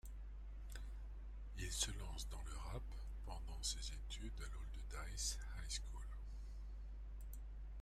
Il se lance dans le rap pendant ses études à l'Allderdice High School.